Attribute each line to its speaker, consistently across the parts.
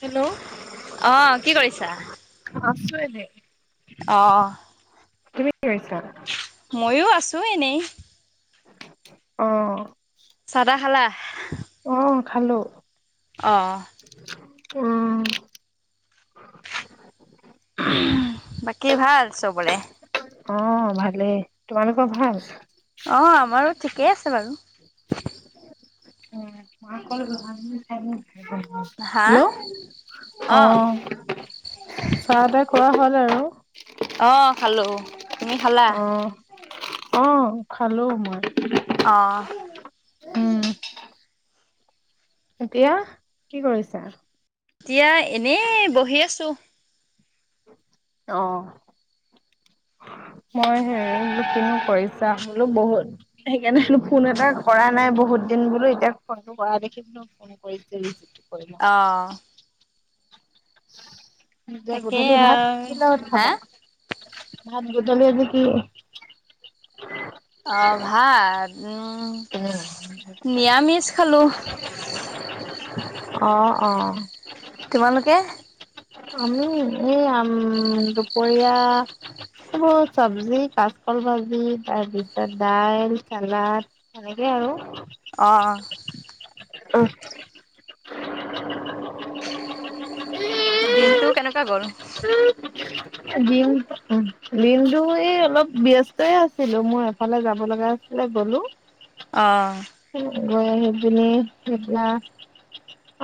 Speaker 1: Hello
Speaker 2: অ', কি কৰিছা?
Speaker 1: আছো এনে
Speaker 2: অ
Speaker 1: তুমি কি কৰিছা?
Speaker 2: ময়ো আছো এনেই
Speaker 1: অ
Speaker 2: চাহ তাহ খালা
Speaker 1: অ', খালো
Speaker 2: অঁ
Speaker 1: উ
Speaker 2: বাকী ভাল চবৰে।
Speaker 1: অ' ভালে তোমালোকৰ ভাল।
Speaker 2: অ', আমাৰো ঠিকেই আছে বাৰু।
Speaker 1: [inaudible]
Speaker 2: হা?
Speaker 1: হেল্ল' অ'
Speaker 2: অ',
Speaker 1: চাহ তাহ খোৱা হ'ল আৰু
Speaker 2: অ' খালো, তুমি খালা?
Speaker 1: অ', অ' খালো মই।
Speaker 2: অ'
Speaker 1: উম এতিয়া কি কৰিছা
Speaker 2: এতিয়া এনেই বহি আছো।
Speaker 1: অ [unintelligible] মই [unintelligible] কৰিছা বোলো বহুত সেইকাৰনে ফোন এটা কৰা নাই বহুত দিন বোলো এতিয়া ফোনটো কৰা দেখি বোলো ফোন কৰিছে।
Speaker 2: অহ
Speaker 1: যে
Speaker 2: তাকে
Speaker 1: গধূলি ভাত
Speaker 2: আৰু
Speaker 1: কি লগত
Speaker 2: হা?
Speaker 1: খাবা। [inaudible]
Speaker 2: অ ভাত উম, নিৰামিষ খালোঁ।
Speaker 1: [inaudible] অ অ
Speaker 2: তোমালোকে
Speaker 1: আমি সেই আম- দুপৰীয়া [unintelligible] চব্জি কাচকল ভাজি তাৰপিছত দাইল, চালাদ সেনেকে আৰু
Speaker 2: অঁ
Speaker 1: [inaudible]
Speaker 2: দিনটো কেনেকুৱা গ'ল
Speaker 1: দিন দিনটো এই অলপ ব্যস্তয়ে আছিলো মোৰ এফালে যাব লগা আছিল। হ ব'লো [unintelligible]
Speaker 2: আহঁ
Speaker 1: অ এবিন তে [unintelligible]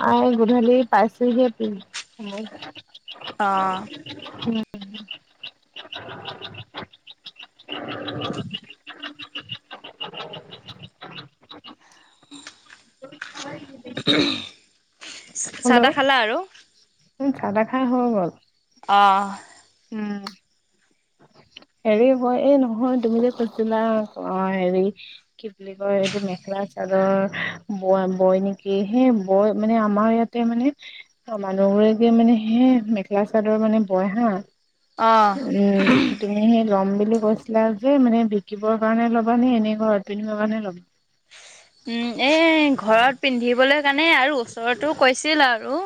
Speaker 1: আই গধূলি পাইছুহি উম
Speaker 2: অ',
Speaker 1: [unintelligible] [unintelligible]
Speaker 2: চাহ তাহ খালা আৰু
Speaker 1: চাহ তাহ খাই হৈ গ'ল।
Speaker 2: অঁ
Speaker 1: উম হেৰি হয় এই নহয় তুমি যে কৈছিলা অ হেৰি কি বুলি কয় এইটো মেখেলা চাদৰ ব বই নেকি সেই বৈ মানে আমাৰ ইয়াতে মানে লগৰ এগৰাকি মানে সেই মেখেলা চাদৰ মানে বয় হা।
Speaker 2: অ'।
Speaker 1: উম তুমিহে লম বুলি কৈছিলা যে মানে বিকিবৰ কাৰণে ল'বা নে এনে ঘৰত পিন্ধিবৰ কাৰণে ল'বা।
Speaker 2: উম এ ঘৰত পিন্ধিবলৈ আৰু ওচৰতো কৈছিল আৰু।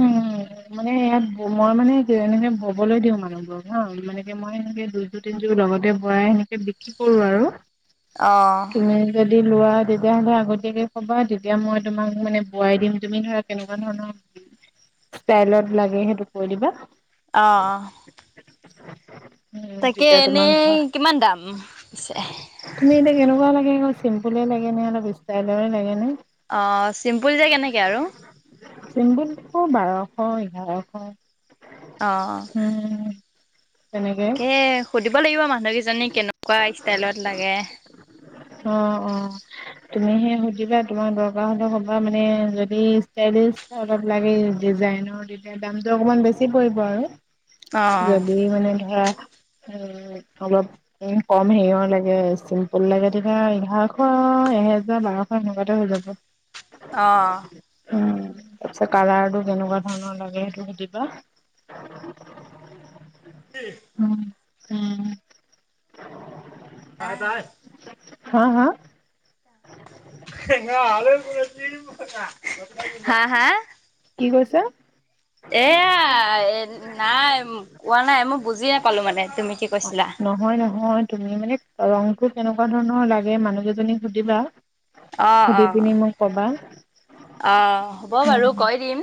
Speaker 1: উ উম মানে ইয়াত মই মানে এনেকে ববলৈ দিওঁ মানুহবোৰক হা মানেে মই সনেকে দুযোৰ তিনযোৰ লগতে বোৱাই সেনেকে বিক্ৰী কৰো আৰু।
Speaker 2: অহ।
Speaker 1: তুমি যদি লোৱা তেতিয়াহ'লে আগতীয়াকে ক'বা তেতিয়া মই তোমাক মানে বোৱাই দিম তুমি ধৰা কেনেকুৱা ধৰণৰ ষ্টাইলত লাগে সেইটো কৈ দিবা
Speaker 2: আহ আহ
Speaker 1: অ উম তেতিয়া তোমাক ধৰা
Speaker 2: এনেই কিমান দাম পিছে?
Speaker 1: তুমি এতিয়া কেনেকুৱা লাগে চিম্পুলই লাগেনে অলপ ষ্টাইলৰে লাগেনে
Speaker 2: অ', চিম্পুল যে কেনেকে আৰু।
Speaker 1: নশ [unintelligible] বাৰশ এঘাৰশ
Speaker 2: অঁ
Speaker 1: উম তেনেকে
Speaker 2: তাকে সুধিব লাগিব আমাক বাকীজনী কেনেকুৱা ষ্টাইলত লাগে।
Speaker 1: অ অ তুমি সে সুধিবা তোমাক দৰকাৰ হত কবা মানে যদি ষ্টাইলিছ অলপ লাগে ডিজাইনৰ তেতিয়া দামটো অকমান বেছি পৰিব আৰু।
Speaker 2: অ'।
Speaker 1: যদি মানে ধৰা অলপ উ কম হেৰিয়ৰ লাগে চিম্পুল লাগে তেতিয়া এঘাৰশ এহেজাৰ বাৰশ। এনেকুৱাতে
Speaker 2: অ'।
Speaker 1: হৈ যাব উ। তাৰ পিছত কালাৰটো কেনেকুৱা ধৰণৰ লাগে সেইটো সুধিবা। উম উম।
Speaker 2: ব ত
Speaker 1: হা হা।
Speaker 2: হা হা
Speaker 1: কি কৈছে।
Speaker 2: এয়া নাই কোৱা নাই, মই বুজি নাপালো মানে তুমি কি কৈছিলা।
Speaker 1: নহয় নহয় তুমি মানে ৰং কেনেকুৱা ধৰণৰ লাগে মানুহ কেইজনীক সুধিবা
Speaker 2: অ',
Speaker 1: সুধি
Speaker 2: অ'।
Speaker 1: পিনি মোক কবা।
Speaker 2: অ হ'ব বাৰু
Speaker 1: উম
Speaker 2: কৈ দিম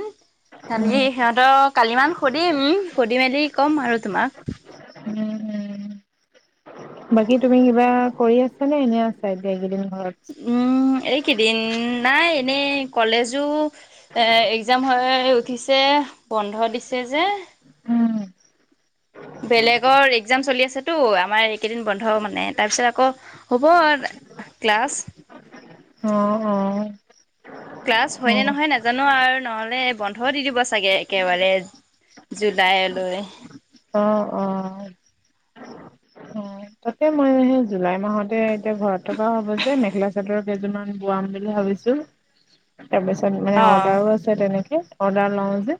Speaker 2: খালি
Speaker 1: উম
Speaker 2: সিহঁতক কালি মান সুধিম সুধি মেলি কম আৰু তোমাক।
Speaker 1: উম উম। বাকী তুমি কিবা কৰি আছা নে এনে আছা এতিয়া এইকেইদিন ঘৰত।
Speaker 2: উম এইকি দিন নাই এনেই কলেজো এক্জাম হৈ উঠিছে। বন্ধ দিছে যে।
Speaker 1: উম।
Speaker 2: বেলেগৰ এক্জাম চলি আছেতো, আমাৰ কেইদিন বন্ধ মানে, তাৰ পিছত আকৌ হ'ব ক্লাছ।
Speaker 1: অ', অ'।
Speaker 2: ক্লাছ হয় নে
Speaker 1: অ',
Speaker 2: নহয়, নাজানো, আৰু নহ'লে বন্ধও দি দিব চাগে একেবাৰে জুলাইলৈ।
Speaker 1: অ', অ'। তাকে, মই সেই জুলাই মাহতে এতিয়া ঘৰত থকা হ'ব যে, মেখেলা-চাদৰ কেইযোৰমান বোৱাম বুলি ভাবিছোঁ। তাৰপিছত, মানে,
Speaker 2: অ',
Speaker 1: অৰ্ডাৰো আছে, তেনেকে অৰ্ডাৰ লওঁ যে।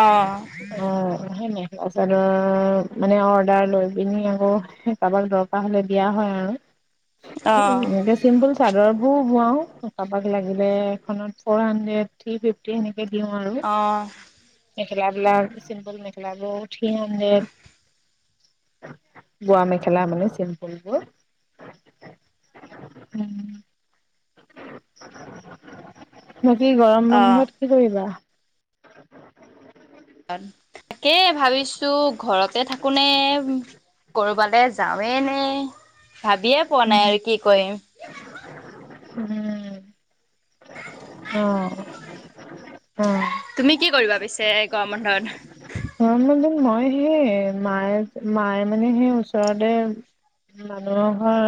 Speaker 2: অ',
Speaker 1: অ'। মেখেলা-চাদৰ মানে অৰ্ডাৰ লৈ পিনি, আকৌ কাৰোবাক দৰকাৰ হ'লে দিয়া হয়। হা,
Speaker 2: অ',
Speaker 1: এনে চিম্পুল চাদৰ। বোৱাও, কাৰোবাক লাগিলে, এখনত ফ'ৰ হাড্ৰেড থ্ৰী ফিফটি। দিওঁ আৰু
Speaker 2: অ',
Speaker 1: মেখেলাবিলাক চিম্পল মেখেলা বোৰ। Three hundred. বোৱা মেখেলা মানে চিম্পুলবোৰ। উম। বাকী গৰম
Speaker 2: অ'।
Speaker 1: বন্ধত কি কৰিবা?
Speaker 2: তাকে ভাবিছো ঘৰতে থাকো নে কৰবালে? যাওঁইনে নে ভাবিয়ে পোৱা
Speaker 1: উম,
Speaker 2: নাই আৰু কি কৰিম?
Speaker 1: উম, অ। অ'।
Speaker 2: তুমি কি কৰিবা পিছে গৰম বন্ধত?
Speaker 1: গৰম বন্ধত মই সেই মায়ে মায়ে, মানে, সেই ওচৰতে মানুহৰ ঘৰ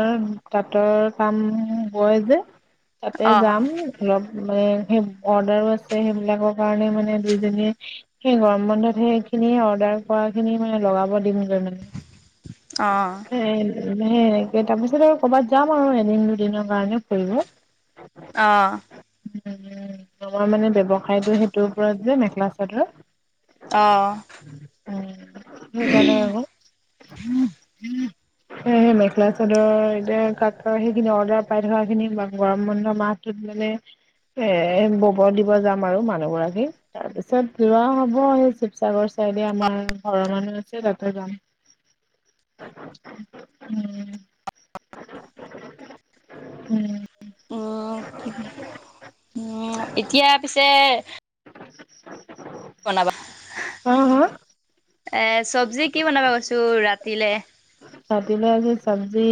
Speaker 1: তাঁতৰ কাম বয় যে। তাতে
Speaker 2: অ',
Speaker 1: যাম অলপ। মানে, সেই অৰ্ডাৰো আছে, সেইবিলাকৰ কাৰণে, মানে, দুইজনীয়ে সেই গৰম বন্ধত, সেইখিনি অৰ্ডাৰ কৰা খিনি মানে লগাব দিম। [inaudible] এনেকে,
Speaker 2: অ',
Speaker 1: তাৰপিছত আৰু কৰ'বাত যাম আৰু এদিন-দুদিনৰ কাৰণে ফুৰিব।
Speaker 2: অ',
Speaker 1: উম, আমাৰ মানে ব্যৱসায়টো সেইটোৰ ওপৰত যে, মেখেলা-চাদৰ।
Speaker 2: অ',
Speaker 1: সেইকাৰণে আকৌ। [inaudible] সেই মেখেলা-চাদৰ যে কাটৰ, সেইখিনি অৰ্ডাৰ পাই থকা খিনি গৰম বন্ধ মাহটোত। এ বব দিব যাম, আৰু মানুহ গৰাকীক তাৰ পিছত লোৱাহত হ'ব, এই শিৱসাগৰ চাইডে আমাৰ ঘৰৰ মানুহ আছে, তাতে যাম। উম। উম।
Speaker 2: অ' অ'এতিয়া পিছে? বনাবা
Speaker 1: হা, হা।
Speaker 2: এ চব্জি কি বনাবা কৈছো ৰাতিলে
Speaker 1: ৰাতিলৈ আজি চবজি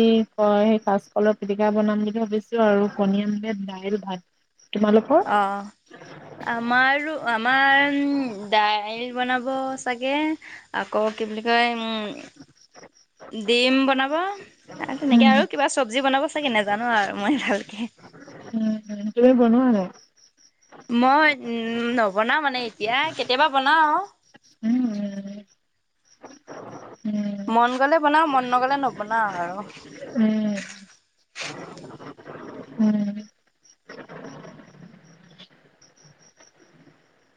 Speaker 1: অ' সেই কাচকলৰ পিটিকা বনাম বুলি ভাবিছোঁ, আৰু কণী অমলেট, দাইল-ভাত।
Speaker 2: অ' আমাৰো, আমাৰ দাইল। বনাব চাগে আকৌ কি বুলি কয়, উ ডিম বনাব। তেনেকে
Speaker 1: উম,
Speaker 2: আৰু
Speaker 1: উম,
Speaker 2: কিবা চবজি বনাব চাগে, নাজানো, আৰু মই ভালকৈ।
Speaker 1: উম, তুমি বনোৱা নে নাই?
Speaker 2: মই উম, নবনাও, মানে এতিয়া কেতিয়াবা বনাওঁ।
Speaker 1: উম, উম।
Speaker 2: মন গ'লে বনাওঁ, মন নগ'লে নবনাওঁ আৰু।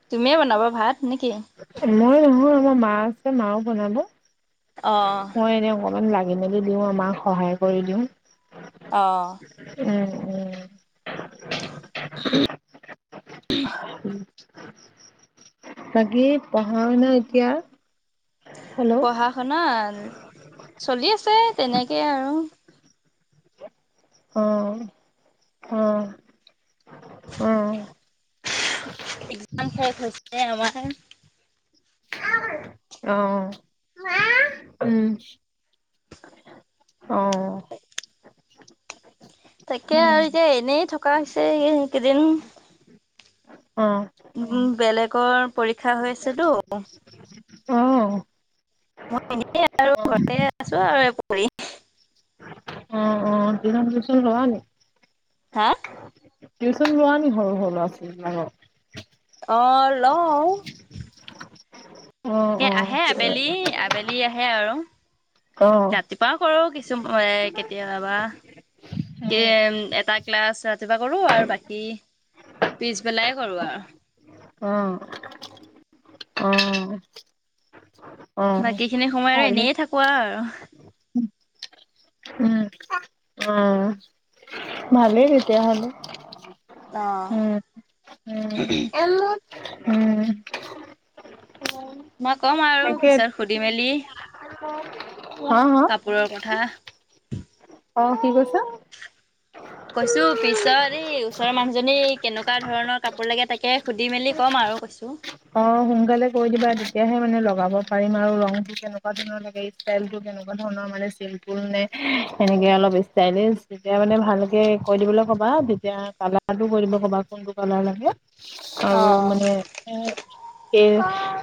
Speaker 2: তুমিয়ে বনাবা ভাত নেকি?
Speaker 1: মই নহয় আমাৰ মা আছে মাও বনাব।
Speaker 2: অ'
Speaker 1: অকন লাগি মেলি দিওঁ আ মাক সহায় কৰি দিওঁ,
Speaker 2: অ',
Speaker 1: উম। উম।
Speaker 2: [inaudible]
Speaker 1: তাকে পঢ়া শুনা এতিয়া। হেল্ল'
Speaker 2: পঢ়া শুনা চলি আছে তেনেকে আৰু
Speaker 1: অ' অ' অ
Speaker 2: এক্জাম শেষ হৈছে আমাৰ।
Speaker 1: আহ, উম। অ'
Speaker 2: তাকে আৰু
Speaker 1: উম
Speaker 2: এতিয়া এনেই থকা হৈছে এই কেইদিন।
Speaker 1: অ
Speaker 2: উম, বেলেগৰ পৰীক্ষা হৈ আছেতো।
Speaker 1: আহ।
Speaker 2: এনে আৰু ঘৰতে আছো আৰু পৰি [inaudible]
Speaker 1: অ অ দিনত টিউচন লোৱা নেকি?
Speaker 2: হা
Speaker 1: টিউচন লোৱা নি সৰু সৰু ল'ৰা ছোৱালী বিলাকক।
Speaker 2: অ লওঁ।
Speaker 1: অ
Speaker 2: তা কে
Speaker 1: অ
Speaker 2: আহে আবেলি আবেলি আহে আৰু
Speaker 1: অ
Speaker 2: ৰাতিপুৱাও কৰো কিছু চু [unintelligible] কেতিয়াবা বাহ এ এটা ক্লাছ ৰাতিপুৱা কৰো আৰু বাকী পিছবেলাই কৰো আৰু
Speaker 1: আহ। অ অ
Speaker 2: বাকী খিনি সময় আৰু
Speaker 1: ভালে
Speaker 2: এনেই থাকো। আৰু
Speaker 1: উম ভালেই তেতিয়ায়াহ'লে।
Speaker 2: আহ উহ উহো
Speaker 1: উম
Speaker 2: মই কম আৰু
Speaker 1: তাকে
Speaker 2: পিছত সুধি মেলি।
Speaker 1: হা হা
Speaker 2: হা
Speaker 1: অ কি কৈছা?
Speaker 2: কৈছোঁ পিছত এই ওচৰৰ মানুহজনী কেনেকুৱা ধৰণৰ কাপোৰ লাগে তাকে সুধি মেলি ক'ম আৰু কৈছোঁ।
Speaker 1: অ সোনকালে কৈ দিবা তেতিয়াহে মানে লগাব পাৰিম আৰু ৰং টো কেনেকুৱা ধৰণৰ লাগে ষ্টাইল টো তেনেকুৱা ধৰণৰ মানে চিম্পুল নে সেনেকে অলপ ষ্টাইলিছ তেতিয়া মানে ভালকে কৈ দিবলৈ কবা যেতিয়া কালাৰটো কৈ দিব কবা কোনটো কালাৰ লাগে
Speaker 2: অ
Speaker 1: আৰু মানে কে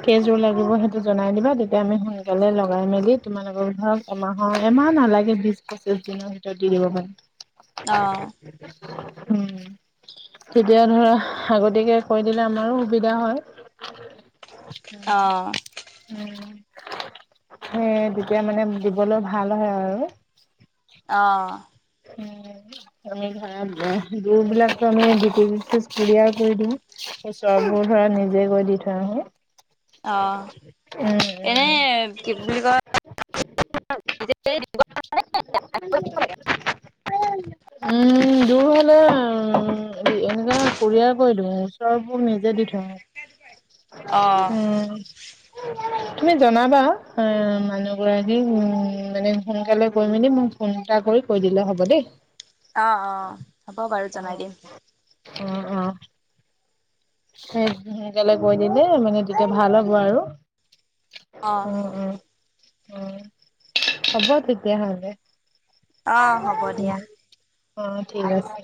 Speaker 1: কেইযোৰ লাগিব সেইটো জনাই দিবা, তেতিয়া আমি সোনকালে লগাই মেলি তোমালোকৰ ধৰক এমাহৰ এমাহ নালাগে বিশ পঁচিশ দিনৰ ভিতৰত দি দিব পাৰিম।
Speaker 2: অহ।
Speaker 1: উম, তেতিয়া ধৰা আগতীয়াকে কৈ দিলে আমাৰো সুবিধা হয়।
Speaker 2: অ
Speaker 1: উম উম। সেই তেতিয়া মানে দিবলৈ ভাল হয় আৰু।
Speaker 2: অহঁ।
Speaker 1: উম। আমি ধৰা দূৰ বিলাকো আমি ড [unintelligible] কুৰিয়া কৰি দিওঁ, তাপিছত ধৰা নিজে গৈ দি থৈ আহো।
Speaker 2: অ
Speaker 1: উ, উ,
Speaker 2: এনে
Speaker 1: উ।
Speaker 2: কি
Speaker 1: [unintelligible]
Speaker 2: বুলি কয়
Speaker 1: উম দূৰ হ'লে উম এনে কুৰিয়াৰ কৰি দিওঁ, ওচৰবোৰ নিজে দি থৈ আহো।
Speaker 2: অ
Speaker 1: উম। তুমি জনাবা মানুহগৰাকীক মানে সোনকালে কৈ মেলি মোক ফোন এটা কৰি কৈ দিলে হ'ব দেই।
Speaker 2: অ অ হ'ব বাৰু
Speaker 1: অ
Speaker 2: জনাই দিম।
Speaker 1: অ অ সেই সোনকালে কৈ দিলে মানে তেতিয়া ভাল হ'ব আৰু।
Speaker 2: অ।
Speaker 1: উম উম। অ হব তেতিয়া হ'লে।
Speaker 2: অ হ'ব দিয়া।
Speaker 1: অ ঠিক আছে।